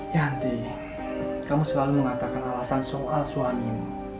yanti kamu selalu mengatakan alasan soal suamimu